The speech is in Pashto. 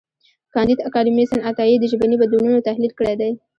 کانديد اکاډميسن عطایي د ژبني بدلونونو تحلیل کړی دی.